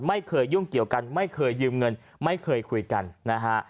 ไม่เคยยุ่งเกี่ยวกันไม่เคยยืมเงินไม่เคยคุยกันนะฮะ